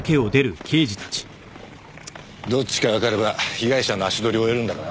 どっちかわかれば被害者の足取り追えるんだがな。